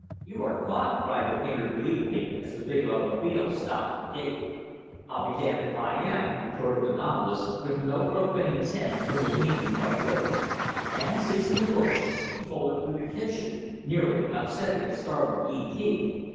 "You are caught," cried the painter, gleefully, as the big automobile stopped at the gate. "I'll be damned if I am," retorted the novelist, with no profane intent but with meaning quite literal; and, seizing a book, he bolted through the kitchen nearly upsetting the startled Yee Kee.